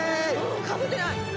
かぶってない。